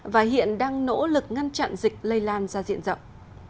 và hiện đang nỗ lực ngăn chặn dịch lây lan ra diện rộng